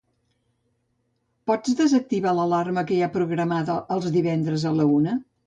Pots desactivar l'alarma que hi ha programada els divendres a l'una?